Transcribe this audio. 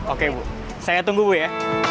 oke bu saya tunggu bu ya